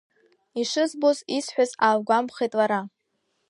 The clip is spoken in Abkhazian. Ишызбоз исҳәаз аалгәамԥхеит лара.